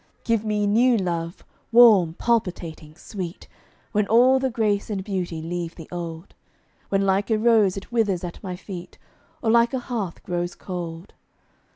Give me new love, warm, palpitating, sweet, When all the grace and beauty leave the old; When like a rose it withers at my feet, Or like a hearth grows cold.